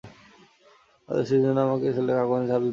কার্যসিদ্ধির জন্য আমার ছেলেদের আগুনে ঝাঁপ দিতে প্রস্তুত থাকতে হবে।